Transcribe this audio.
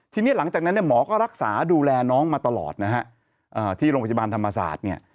ทีนี้หลังจากนั้นเนี่ยหมอก็รักษาดูแลน้องมาตลอดนะฮะที่โรงพยาบาลธรรมศาสตร์เนี่ย